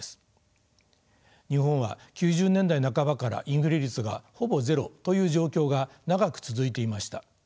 日本は９０年代半ばからインフレ率がほぼゼロという状況が長く続いていました。